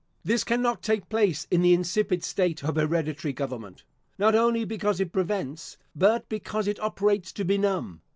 This cannot take place in the insipid state of hereditary government, not only because it prevents, but because it operates to benumb.